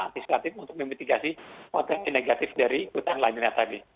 yang aktif aktif untuk memitigasi potensi negatif dari ikutan lanina tadi